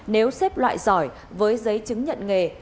nếu xếp loại giỏi với giấy chứng nhận nghề